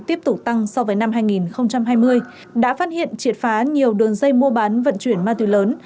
tiếp tục tăng so với năm hai nghìn hai mươi đã phát hiện triệt phá nhiều đường dây mua bán vận chuyển ma túy lớn